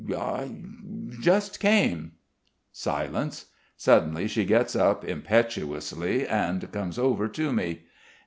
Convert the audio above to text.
I just came." Silence. Suddenly she gets up impetuously and comes over to me.